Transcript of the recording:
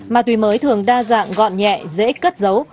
ma túy mới thường đa dạng gọn nhẹ dễ cất dấu